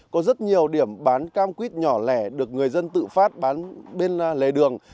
có rất nhiều điểm bán cam quýt nhỏ lẻ được người dân tự phát bán bên lề đường